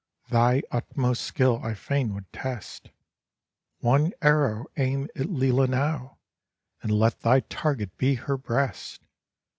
Thy utmost skill I fain would test ; One arrow aim at Lelia now, And let thy target be her breast